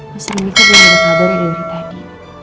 mas rini kan belum ada kabar dari tadi